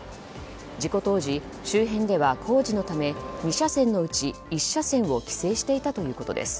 事故当時、周辺では工事のため２車線のうち１車線を規制していたということです。